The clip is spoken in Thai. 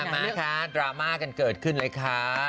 มาค่ะดราม่ากันเกิดขึ้นเลยค่ะ